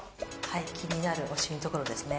気になるシミのところですね。